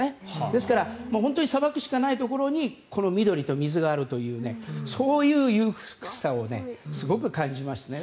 ですから、本当に砂漠しかないところに緑と水があるというそういう裕福さをすごく感じましたね。